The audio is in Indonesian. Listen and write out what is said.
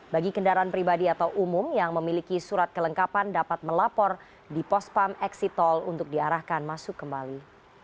bagi kendaraan pribadi atau umum yang memiliki surat kelengkapan dapat melapor di pospam eksitol untuk diarahkan masuk kembali